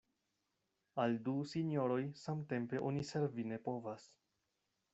Al du sinjoroj samtempe oni servi ne povas.